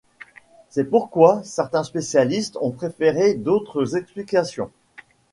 C'est pourquoi certains spécialistes ont préféré d'autres explications.